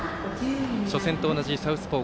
初戦と同じサウスポー